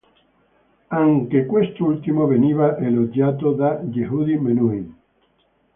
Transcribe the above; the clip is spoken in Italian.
Anche quest'ultimo veniva elogiato da Yehudi Menuhin.